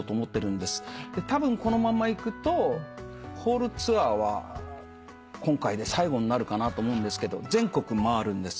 たぶんこのままいくとホールツアーは今回で最後になるかなと思うんですけど全国回るんです。